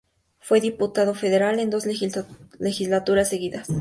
Fue diputado federal en dos legislaturas seguidas.